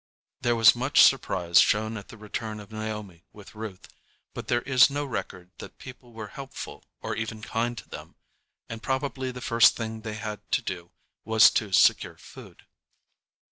There was much surprise shown at the return of Naomi with Ruth, but there is no record that people were helpful or even kind to them, and probably the first thing they had to do was to secure food.